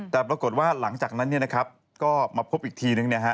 แต่ปรากฏว่าหลังจากนั้นก็มาพบอีกทีนึง